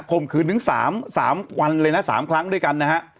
มขืนถึง๓วันเลยนะ๓ครั้งด้วยกันนะฮะ